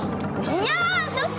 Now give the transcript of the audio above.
いやちょっと！